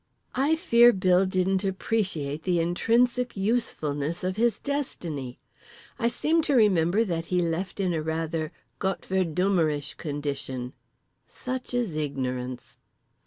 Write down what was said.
I fear Bill didn't appreciate the intrinsic usefulness of his destiny. I seem to remember that he left in a rather Gottverdummerish condition. Such is ignorance.